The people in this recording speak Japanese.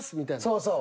そうそう。